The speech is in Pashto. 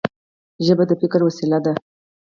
ژبه د فکر وسیله ده.